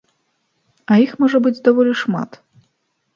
А іх можа быць даволі шмат.